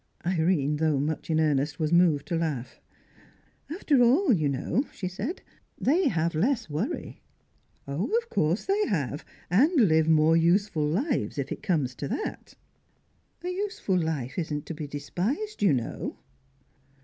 Irene, though much in earnest, was moved to laugh. "After all, you know," she said, "they have less worry." "Of course they have, and live more useful lives, if it comes to that." "A useful life isn't to be despised, you know."